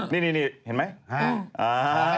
นี่เห็นไหมห้า